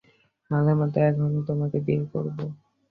মাঝে মাঝেই মনে হতো তাঁকে গিয়ে বলি, চলো, এখনই তোমাকে বিয়ে করব।